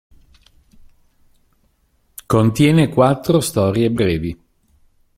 Contiene quattro storie brevi.